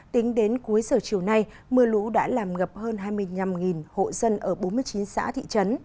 tính đến cuối giờ chiều nay mưa lũ đã làm ngập hơn hai mươi năm hộ dân ở bốn mươi chín xã thị trấn